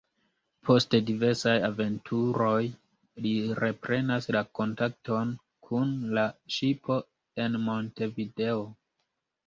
Post diversaj aventuroj, li reprenas la kontakton kun la ŝipo en Montevideo.